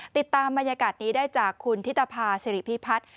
ติดตามบรรยากาศนี้ได้จากคุณธิตภาษิริพิพัฒน์